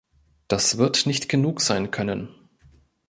Das wird nicht genug sein können.